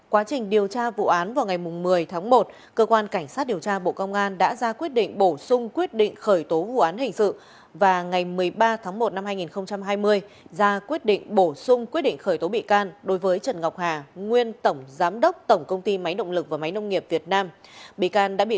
quá trình điều tra vụ án vào ngày một mươi tháng một cơ quan cảnh sát điều tra bộ công an đã ra quyết định bổ sung quyết định khởi tố vụ án hình sự số bốn mươi tám c ba p một mươi ba ngày ba tháng tám năm hai nghìn một mươi chín